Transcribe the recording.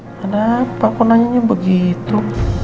kenapa aku nanyanya begitu